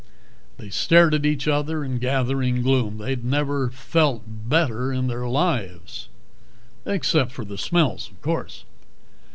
They stared at each other in gathering gloom. They'd never felt better in their lives. Except for the smells, of course.